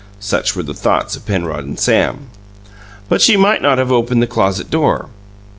(Such were the thoughts of Penrod and Sam.) But she might not have opened the closet door.